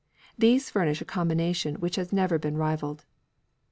These furnish a combination which has never been rivalled.